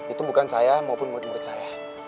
itu bukan saya maupun murid murid saya